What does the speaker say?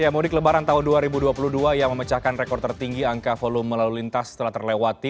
mudik lebaran tahun dua ribu dua puluh dua yang memecahkan rekor tertinggi angka volume lalu lintas telah terlewati